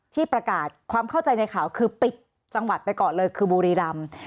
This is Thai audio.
ที่ประกาศความเข้าใจในข่าวคือปิดจังหวัดไปก่อนเลยคือบุรีรำ